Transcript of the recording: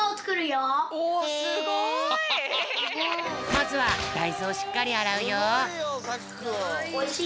まずはだいずをしっかりあらうよ。